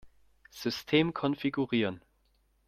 System konfigurieren.